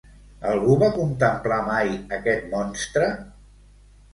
Algú va contemplar mai aquest monstre?